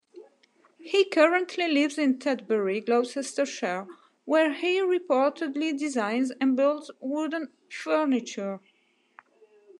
He currently lives in Tetbury, Gloucestershire, where he reportedly designs and builds wooden furniture.